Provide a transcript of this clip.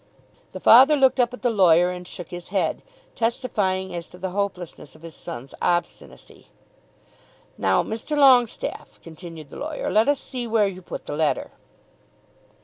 The father looked up at the lawyer and shook his head, testifying as to the hopelessness of his son's obstinacy. "Now, Mr. Longestaffe," continued the lawyer, "let us see where you put the letter."